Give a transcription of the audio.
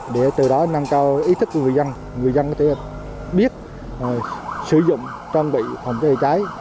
để từ đó nâng cao ý thức của người dân người dân có thể biết sử dụng trang bị phòng trái chữa trái